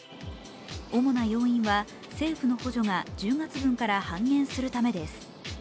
主な要因は政府の補助が１０月分から半減するためです。